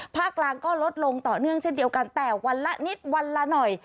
ภาคกลางก็ลดลงต่อเนื่องเช่นเดียวกันแต่วันละนิดวันละหน่อย